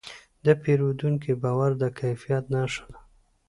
د پیرودونکي باور د کیفیت نښه ده.